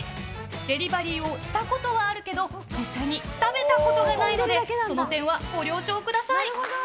デリバリーをしたことはあるけど実際に食べたことがないのでその点は、ご了承ください。